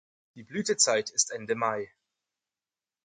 Die Blütezeit ist Ende Mai.